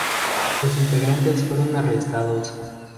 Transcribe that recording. Los integrantes fueron arrestados.